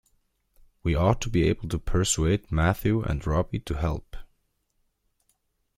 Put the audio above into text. We ought to be able to persuade Matthew and Robbie to help.